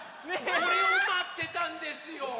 これをまってたんですよ。